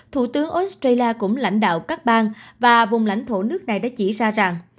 thủ tướng australia cũng lãnh đạo các bang và vùng lãnh thổ nước này đã chỉ ra rằng